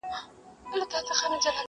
د انسانيت پوښتنه لا هم خلاصه ځواب نه لري،